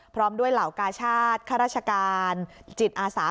พร้อมด้วยเหล่ากาชาติข้าราชการจิตอาสา